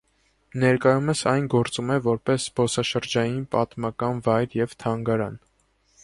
Ներկայումս այն գործում է որպես զբոսաշրջային, պատմական վայր և թանգարան։